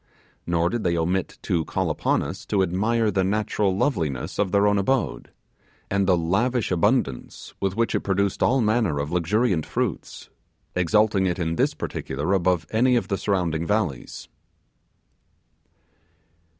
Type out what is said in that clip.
Nor did they omit to call upon us to admire the natural loveliness of their own abode, and the lavish abundance with which it produced all manner of luxuriant fruits; exalting it in this particular above any of the surrounding valleys.